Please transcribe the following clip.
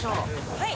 はい。